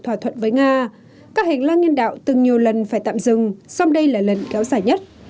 thỏa thuận với nga các hành lang nhân đạo từng nhiều lần phải tạm dừng song đây là lần kéo dài nhất